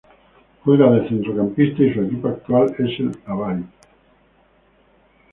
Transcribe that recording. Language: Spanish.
Juega de centrocampista y su equipo actual es el Avaí.